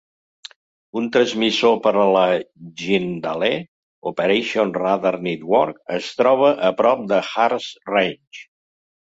Un transmissor per a la Jindalee Operational Radar Network es troba a prop de Harts Range.